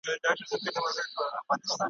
که راځې وروستی دیدن دی لګولي مي ډېوې دي `